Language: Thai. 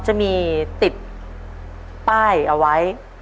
จะมีติดป้ายเอาไว้